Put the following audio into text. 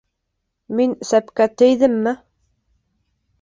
Мин сәпкә тейҙемме?